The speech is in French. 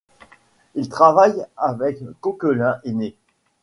Il travaille avec Coquelin aîné.